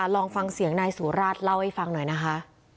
ใช่ค่ะลองฟังเสียงนายสูราชเล่าให้คุณฟังหน่อยนะคะ